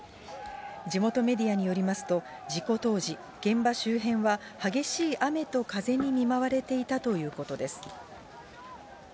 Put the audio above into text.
地元メディアによりますと、事故当時、現場周辺は激しい雨と風に見舞われていたということです。